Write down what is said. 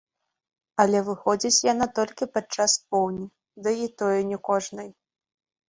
Але выходзіць яна толькі падчас поўні, ды і тое не кожнай.